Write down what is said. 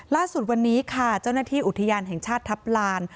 ล่าสุดวันนี้ค่ะเจ้าหน้าที่อุทยานแห่งชาติทัพลาน